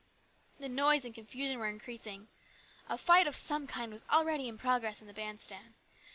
The noise and confusion were increasing. A fight of some kind was already in progress in the band stand.